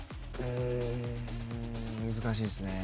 ん難しいですね。